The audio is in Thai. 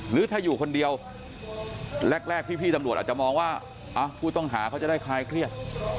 หรือถ้าอยู่คนเดียวแรกพี่ตำรวจอาจจะมองว่าผู้ต้องหาเขาจะได้คลายเครียด